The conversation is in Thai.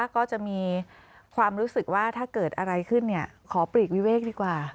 ก็จะมีความรู้สึกว่าถ้าเกิดอะไรขึ้นขอปลีกวิเวกดีกว่า